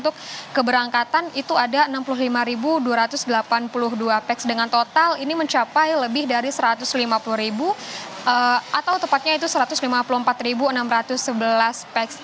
untuk keberangkatan itu ada enam puluh lima dua ratus delapan puluh dua peks dengan total ini mencapai lebih dari satu ratus lima puluh atau tepatnya itu satu ratus lima puluh empat enam ratus sebelas peks